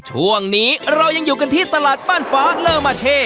ช่วงนี้เรายังอยู่กันที่ตลาดบ้านฟ้าเลอร์มาเช่